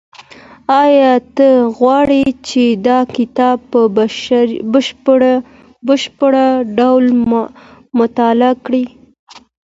ایا ته غواړې چې دا کتاب په بشپړ ډول مطالعه کړې؟